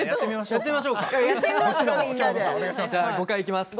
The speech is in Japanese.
やってみましょうかみんなで。